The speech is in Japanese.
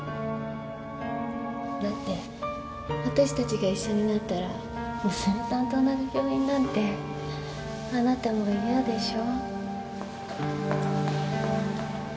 だって私たちが一緒になったら娘さんと同じ病院なんてあなたも嫌でしょ？